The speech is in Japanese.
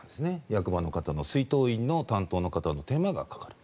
役場の方の出納員の担当の方の手間がかかる。